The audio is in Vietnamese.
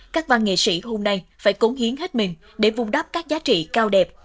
các văn nghệ sĩ hôm nay phải cốn hiến hết mình để vung đáp các giá trị cao đẹp